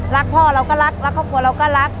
รักพ่อเราก็รักรักครอบครัวเราก็รัก